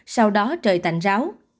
sau đó trời tạnh ráo